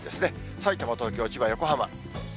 さいたま、東京、千葉、横浜。